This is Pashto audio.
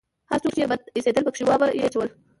هر څوک چې يې بد اېسېدل پکښې وابه يې چول.